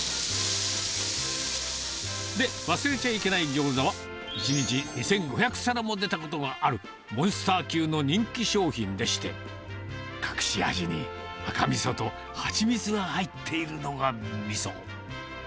で、忘れちゃいけないギョーザは、１日２５００皿も出たことがある、モンスター級の人気商品でして、隠し味に、赤みそと蜂蜜が入っているのがみそ。